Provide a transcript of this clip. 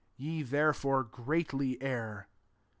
Ye therefore greatly err."